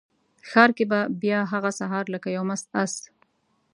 ښار کې به بیا هغه سهار لکه یو مست آس،